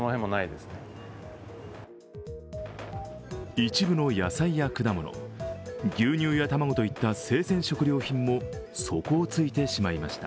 一部の野菜や果物、牛乳や卵といった生鮮食料品も底をついてしまいました。